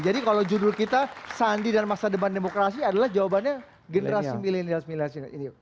jadi kalau judul kita sandi dan masa depan demokrasi adalah jawabannya generasi milenial milenial